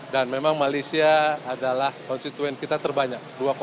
dan memang malaysia adalah konstituen kita terbanyak